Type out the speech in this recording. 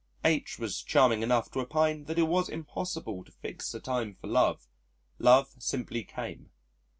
H was charming enough to opine that it was impossible to fix a time for love. Love simply came.